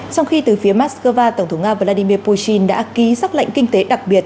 trong khi từ phía moscow tổng thống nga vladimir putin đã ký xác lệnh kinh tế đặc biệt